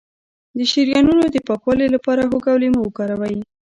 د شریانونو د پاکوالي لپاره هوږه او لیمو وکاروئ